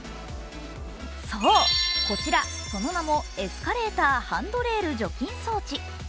そう、こちら、その名もエスカレーターハンドレール除菌装置。